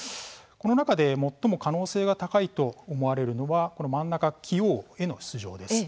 この中で最も可能性が高いと思われるのは真ん中、棋王への出場です。